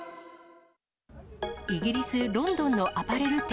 イギリス・ロンドンのアパレル店。